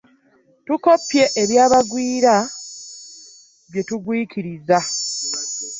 Tukoppye eby'abagwiira byetugwikiriza .